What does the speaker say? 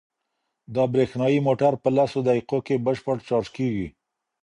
دا برېښنايي موټر په لسو دقیقو کې بشپړ چارج کیږي.